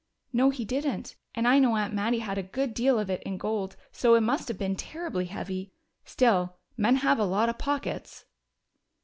"No, he didn't. And I know Aunt Mattie had a good deal of it in gold, so it must have been terribly heavy. Still, men have a lot of pockets."